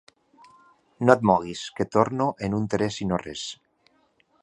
No et moguis, que torno en un tres i no res.